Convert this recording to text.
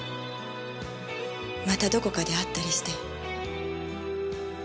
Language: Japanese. またどこかで会ったりして。